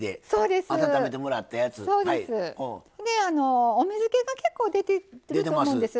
でお水けが結構出てると思うんです。